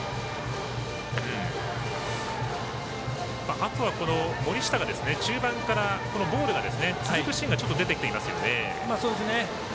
あとは、森下が、中盤からボールが続くシーンが出てきていますよね。